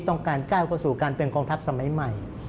ต้องการก้าวก็สู่การเป็นกองทัพสมัยใหม่